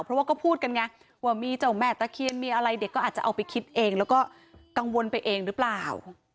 เพราะว่าก็พูดกันไงว่ามีเจ้าแม่ตะเคียนมีอะไรเด็กก็อาจจะเอาไปคิดเองแล้วก็กังวลไปเองหรือเปล่า